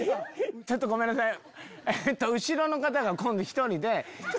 ちょっとごめんなさい。